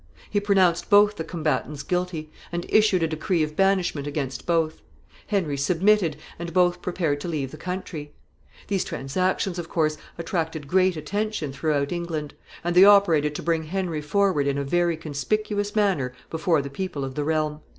He pronounced both the combatants guilty, and issued a decree of banishment against both. Henry submitted, and both prepared to leave the country. These transactions, of course, attracted great attention throughout England, and they operated to bring Henry forward in a very conspicuous manner before the people of the realm.